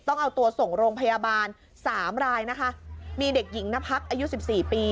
ต้องเอาตัวส่งโรงพยาบาล๓รายนะคะมีเด็กหญิงหน้าพักอายุ๑๔ปี